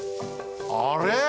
あれ？